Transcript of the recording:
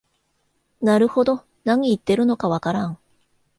なるほど、なに言ってるのかわからん